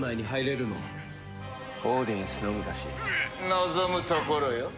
望むところよ。